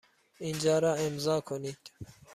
اینجا را امضا کنید.